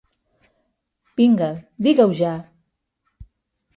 Vinga, diga-ho ja!